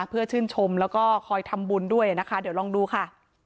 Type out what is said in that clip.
เพื่อชื่นชมแล้วก็คอยทำบุญด้วยนะคะเดี๋ยวลองดูค่ะ